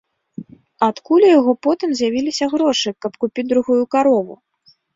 Адкуль у яго потым з'явіліся грошы, каб купіць другую карову?